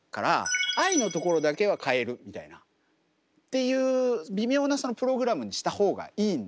「Ｉ」のところだけは変えるみたいなっていう微妙なプログラムにした方がいいんですよ。